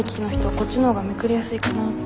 こっちのほうがめくりやすいかなって。